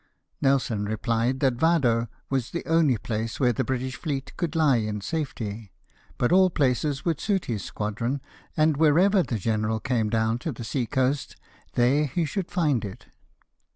Nelson replied that Vado was the only place where the British fleet could lie in safety ; but all places would suit his squadron, and wherever the general came down to the sea coast, there he should find it.